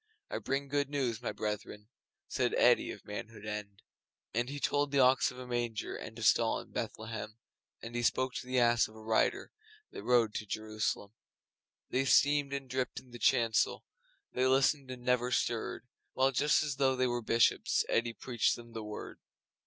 I bring good news, my brethren!' Said Eddi, of Manhood End. And he told the Ox of a manger And a stall in Bethlehem, And he spoke to the Ass of a Rider That rode to jerusalem. They steamed and dripped in the chancel, They listened and never stirred, While, just as though they were Bishops, Eddi preached them The Word.